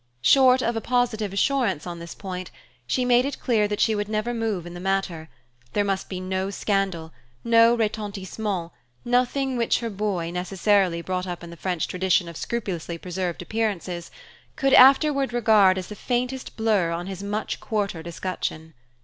Short of a positive assurance on this point, she made it clear that she would never move in the matter; there must be no scandal, no retentissement, nothing which her boy, necessarily brought up in the French tradition of scrupulously preserved appearances, could afterward regard as the faintest blur on his much quartered escutcheon.